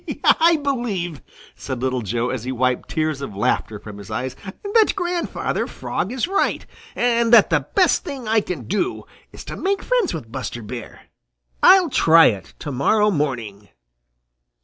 "I believe," said Little Joe as he wiped tears of laughter from his eyes, "that Grandfather Frog is right, and that the best thing I can do is to make friends with Buster Bear. I'll try it to morrow morning."